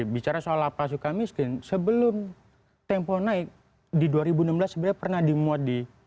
bicara soal lapas suka miskin sebelum tempo naik di dua ribu enam belas sebenarnya pernah dimuat di